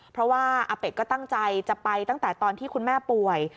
เพราะว่าอาเป็ดก็ตั้งใจจะไปตั้งแต่ตอนที่คุณแม่ป่วย